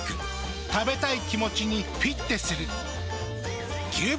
食べたい気持ちにフィッテする。